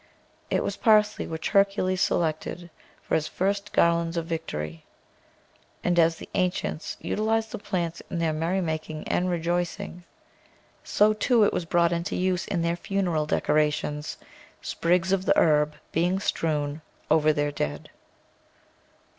It was pars ley which Hercules selected for his first garlands of victory, and as the ancients utilised the plants in their merrymaking and rejoicing, so, too, it was brought into use in their funeral decorations, sprigs of the herb being strewn over their dead.